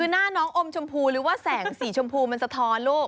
คือหน้าน้องอมชมพูหรือว่าแสงสีชมพูมันสะท้อนลูก